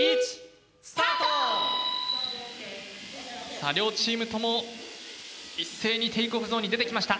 さあ両チームとも一斉にテイクオフゾーンに出てきました。